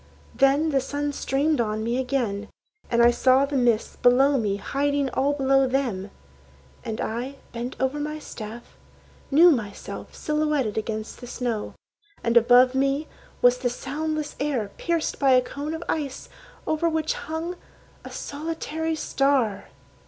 Then the sun streamed on me again, And I saw the mists below me hiding all below them. And I, bent over my staff, knew myself Silhouetted against the snow. And above me Was the soundless air, pierced by a cone of ice, Over which hung a solitary star!